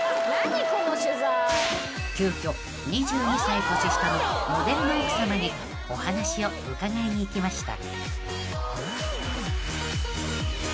［急きょ２２歳年下のモデルの奥さまにお話を伺いに行きました］